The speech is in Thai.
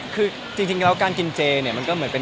คือจริงแล้วการกินเจมส์เนี่ย